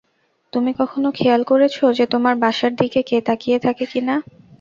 তুমি কখনো খেয়াল করেছো যে তোমার বাসার দিকে কে তাকিয়ে থাকে কিনা?